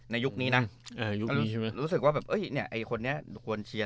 ในยุคนี้นะรู้สึกว่าแบบเนี่ยไอ้คนนี้ควรเชียร์